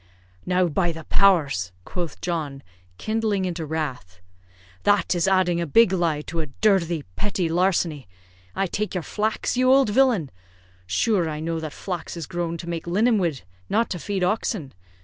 "Now by the powers!" quoth John, kindling into wrath, "that is adding a big lie to a dirthy petty larceny. I take your flax, you ould villain! Shure I know that flax is grown to make linen wid, not to feed oxen.